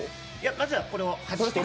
まずはこれを外して。